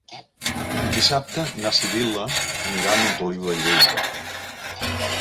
Dissabte na Sibil·la anirà a Montoliu de Lleida.